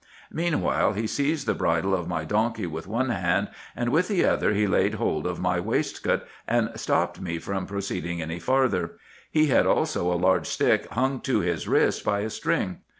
Meanwhile he seized the bridle of my donkey with one hand, and with the other he laid hold of my waist coat, and stopped me from proceeding any farther : he had also a large stick hung to his wrist by a string.